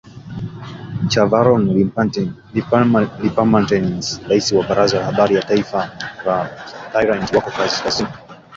Chavarong Limpattamapanee rais wa Baraza la Habari la Taifa la Thailand wako kaskazini,